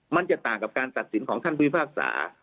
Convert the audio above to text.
มันจะต่างกับการตัดสินของท่านพิพากษา